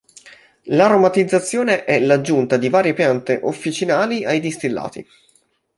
L'aromatizzazione è l'aggiunta di varie piante officinali ai distillati.